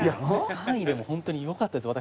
３位でホントによかったです私。